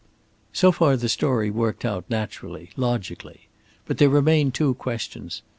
So far the story worked out naturally, logically. But there remained two questions.